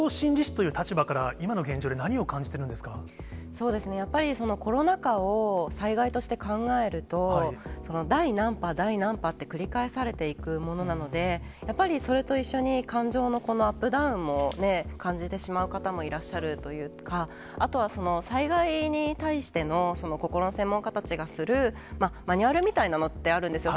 そうですね、やっぱりコロナ禍を災害として考えると、第何波、第何波って繰り返されていくものなので、やっぱりそれと一緒に、感情のこのアップダウンも感じてしまう方もいらっしゃるというか、あとは、災害に対しての心の専門家たちがするマニュアルみたいなのってあるんですよ。